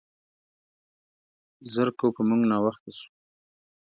زر کوه, په مونګ ناوخته شو.